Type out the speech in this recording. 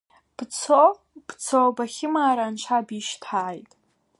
Бцо, бцо, бахьымаара анцәа бишьҭааит!